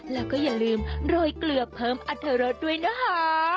แล้วก็อย่าลืมโรยเกลือเพิ่มอัตรรสด้วยนะคะ